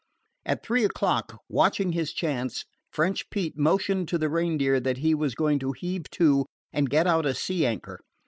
At three o'clock, watching his chance, French Pete motioned to the Reindeer that he was going to heave to and get out a sea anchor.